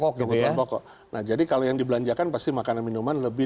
kebutuhan pokok nah jadi kalau yang dibelanjakan pasti makanan minuman lebih